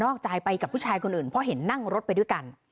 ออกใจไปกับผู้ชายคนอื่นเพราะเห็นนั่งรถไปด้วยกัน